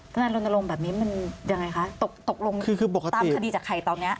สถานลนโลงแบบนี้มันอย่างไรคะตกลงตามคดีจากใครตอนเนี้ย